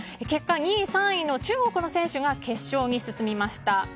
結果２位、３位の中国の選手が決勝に進みました。